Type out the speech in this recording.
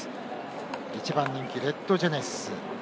１番人気、レッドジェネシス。